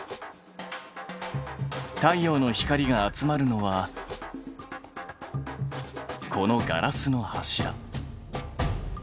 太陽の光が集まるのはこのガラスの柱。